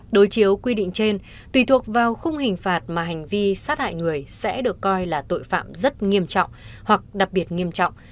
đối chiếu quy định trên tùy thuộc vào khung hình phạt mà hành vi sát hại người sẽ được coi là tội phạm rất nghiêm trọng hoặc đặc biệt nghiêm trọng